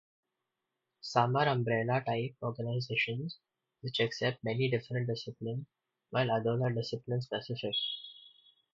Some are umbrella type organizations which accept many different disciplines, while others are discipline-specific.